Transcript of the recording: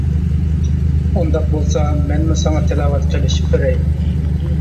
-ئۇنداق بولسا مەنمۇ ساڭا تىلاۋەت قىلىشىپ بېرەي.